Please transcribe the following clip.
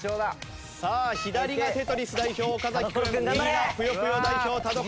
さあ左が『テトリス』代表岡君右が『ぷよぷよ』代表田所君です。